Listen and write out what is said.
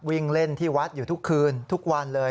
วิ่งเล่นที่วัดอยู่ทุกคืนทุกวันเลย